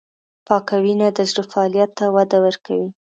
پاکه وینه د زړه فعالیت ته وده ورکوي.